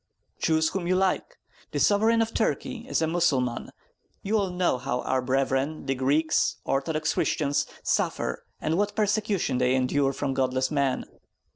Choose whom you like. The Sovereign of Turkey is a Mussulman; you all know how our brethren, the Greeks, Orthodox Christians, suffer, and what persecution they endure from godless men.